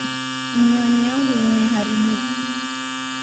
Miwani yangu imeharibika